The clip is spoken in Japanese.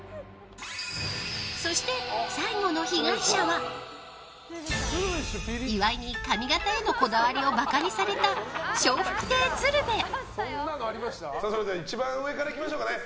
そして、最後の被害者は岩井に髪形へのこだわりをバカにされた笑福亭鶴瓶。それでは一番上からいきましょうかね。